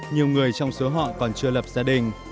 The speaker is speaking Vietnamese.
nhiều người trong số họ còn chưa lập gia đình